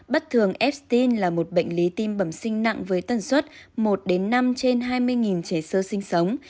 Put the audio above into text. bất thường estin là một bệnh lý tim bẩm sinh nặng với tần suất một năm trên hai mươi trẻ sơ sinh sống